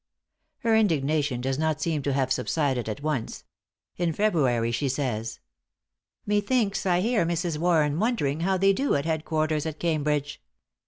'" Her indignation does not seem to have subsided at once. In February she says: "Methinks I hear Mrs. Warren wondering how they do at head quarters at Cambridge.